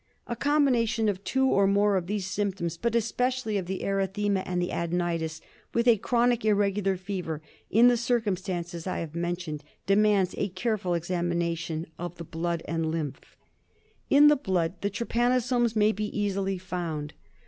A combination of two or more of these symptoms, but especially of the erythema and the adenitis, with a chronic irregular fever in the circumstances I have mentioned demands a careful examination of the blood and lymph. In the blood the trypanosoma may be easily found.